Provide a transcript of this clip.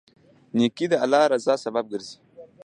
نیکي د الله رضا سبب ګرځي.